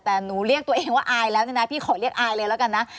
แต่หนูเรียกตัวเองว่าอายแล้วเนี่ยนะพี่ขอเรียกอายเลยแล้วกันนะ